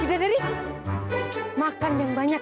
udah dari makan yang banyak